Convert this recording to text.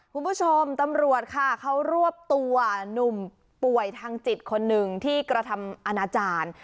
คุณผู้ชมตำรวจค่ะเขารวบตัวหนุ่มป่วยทางจิตคนหนึ่งที่กระทำอนาจารย์